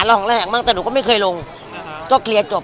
ห่องระแหงบ้างแต่หนูก็ไม่เคยลงก็เคลียร์จบ